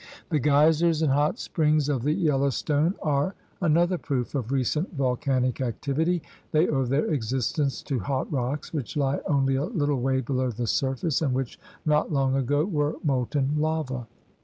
The geysers and hot springs of the Yellowstone are another proof of recent volcanic activity. They owe their existence to hot rocks which He only a little way below the surface and which not long ago were molten lava.